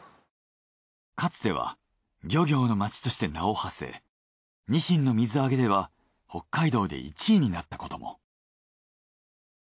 かつては漁業の町として名をはせニシンの水揚げでは北海道で１位になったことも。